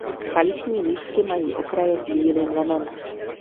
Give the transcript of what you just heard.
Kališní lístky mají okraje s bílým lemem.